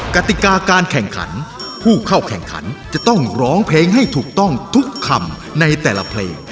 กติกาการแข่งขันผู้เข้าแข่งขันจะต้องร้องเพลงให้ถูกต้องทุกคำในแต่ละเพลง